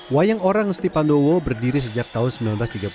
wayang orang ngesti pandowo berdiri sejak tahun dua ribu